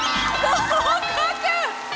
合格！